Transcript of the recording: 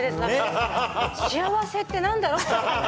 幸せってなんだろうって。